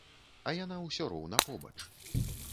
А яна ўсё роўна побач.